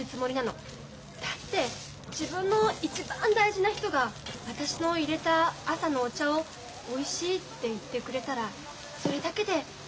だって自分の一番大事な人が私のいれた朝のお茶をおいしいって言ってくれたらそれだけでうれしいじゃない？